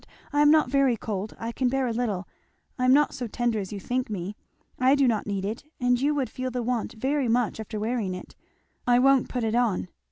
I am not very cold I can bear a little I am not so tender as you think me; I do not need it, and you would feel the want very much after wearing it. I won't put it on."